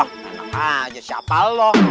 enak aja siapa lu